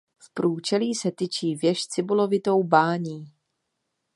V průčelí se tyčí věž s cibulovitou bání.